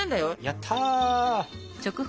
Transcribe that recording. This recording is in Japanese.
やった！